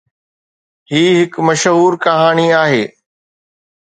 هي هڪ مشهور ڪهاڻي آهي.